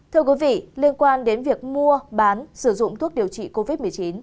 thưa quý vị liên quan đến việc mua bán sử dụng thuốc điều trị covid một mươi chín